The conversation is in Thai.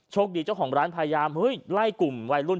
ดีเจ้าของร้านพยายามเฮ้ยไล่กลุ่มวัยรุ่น